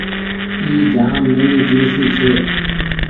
اي جآم نيني ٽيڻسي ڇي۔